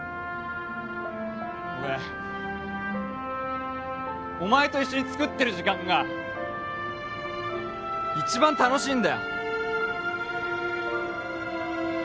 俺お前と一緒に作ってる時間が一番楽しいんだよ